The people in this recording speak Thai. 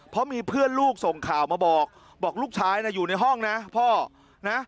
เพราะมีเพื่อนลูกส่งข่าวมาบอกบอกลูกชายนะอยู่ในห้องนะพ่อนะ